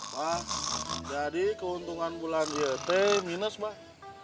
pak jadi keuntungan bulan ylt minus pak